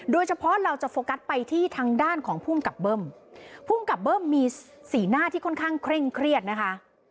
โดยเฉพาะเราจะโฟกัสไปที่ทางด้านของภูมิกับเบิ้มภูมิกับเบิ้มมีสีหน้าที่ค่อนข้างเคร่งเครียดนะคะ